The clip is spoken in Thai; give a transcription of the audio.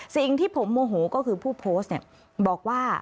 สิ่งที่ผมโมโหก็คือผู้โพสต์เนี่ยบอกว่า